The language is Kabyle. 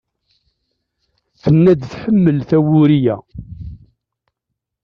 Tenna-d tḥemmel tawuri-a.